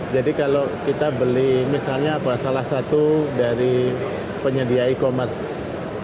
jadi kalau kita beli misalnya salah satu dari penyedia e commerce